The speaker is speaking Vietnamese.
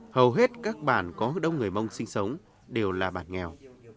hầu hết các bản có đông người mông sinh sống đều là bản nghèo